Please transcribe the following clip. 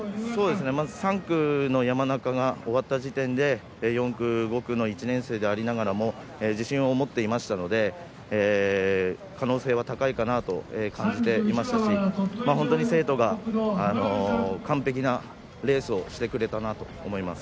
３区の山中が終わった時点で４区、５区の１年生でありながらも自信を持っていましたので可能性は高いかなと感じていましたし本当に生徒が完璧なレースをしてくれたなと思っています。